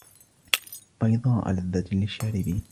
بيضاء لذة للشاربين